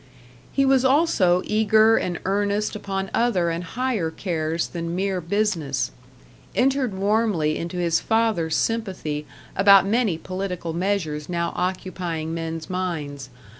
He was also eager and earnest upon other and higher cares than mere business; entered warmly into his father's sympathy about many political measures now occupying men's minds.